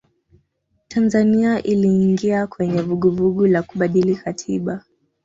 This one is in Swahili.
tanzania iliingia kwenye vuguvugu la kubadili katiba